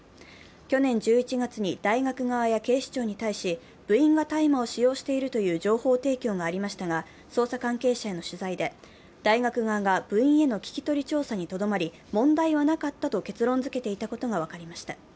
去年１１月に大学側や警視庁に対し、部員が大麻を使用しているという情報提供がありましたが捜査関係者への取材で大学側が部員への聞き取り調査にとどまり、問題はなかったと結論づけていたことが分かりました。